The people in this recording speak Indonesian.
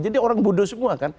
jadi orang budo semua kan